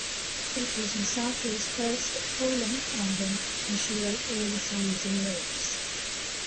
It was Misako's first full-length album, and she wrote all the songs and lyrics.